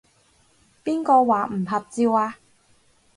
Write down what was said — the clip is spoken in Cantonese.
邊個話唔合照啊？